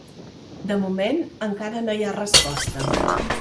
De moment encara no hi ha resposta.